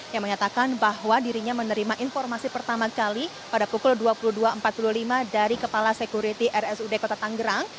yang menyatakan bahwa dirinya menerima informasi pertama kali pada pukul dua puluh dua empat puluh lima dari kepala security rsud kota tanggerang